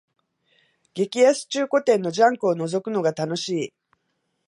激安中古店のジャンクをのぞくのが楽しい